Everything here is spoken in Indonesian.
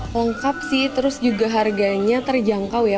lengkap sih terus juga harganya terjangkau ya